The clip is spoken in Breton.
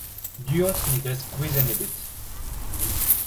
Du-hont ne gresk gwezenn ebet.